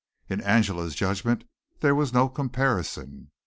In Angela's judgment there was no comparison.